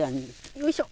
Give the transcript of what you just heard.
よいしょ。